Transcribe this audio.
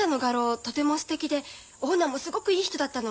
とてもすてきでオーナーもすごくいい人だったの。